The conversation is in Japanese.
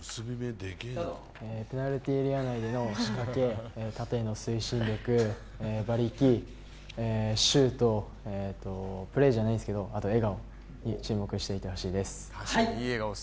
ペナルティーエリア内での仕掛け、縦への推進力、馬力、シュートプレーじゃないですけど、笑顔に注目して見てほしいです。